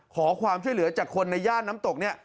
ขอความช่วยเหลือจากคนในย่านน้ำตกเนี่ย